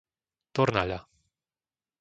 Tornaľa